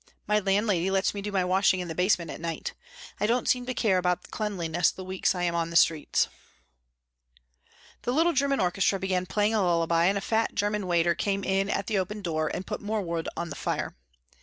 My landlady lets me do my washing in the basement at night. I don't seem to care about cleanliness the weeks I am on the streets." The little German orchestra began playing a lullaby, and a fat German waiter came in at the open door and put more wood on the fire.